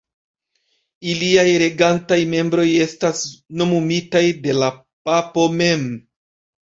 Iliaj regantaj membroj estas nomumitaj de la papo mem.